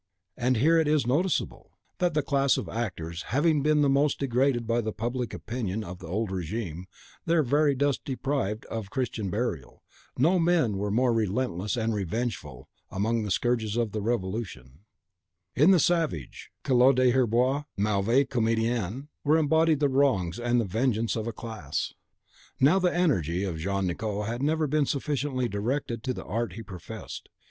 And here it is noticeable, that the class of actors having been the most degraded by the public opinion of the old regime, their very dust deprived of Christian burial, no men (with certain exceptions in the company especially favoured by the Court) were more relentless and revengeful among the scourges of the Revolution. In the savage Collot d'Herbois, mauvais comedien, were embodied the wrongs and the vengeance of a class. Now the energy of Jean Nicot had never been sufficiently directed to the art he professed.